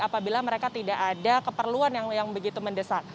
apabila mereka tidak ada keperluan yang begitu mendesak